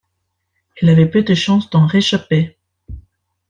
Il avait peu de chances d’en réchapper.